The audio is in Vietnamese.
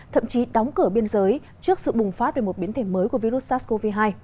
thậm chí đóng cửa biên giới trước sự bùng phát về một biến thể mới của virus sars cov hai